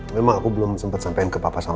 memang aku belum sempet sampein ke papa sama mama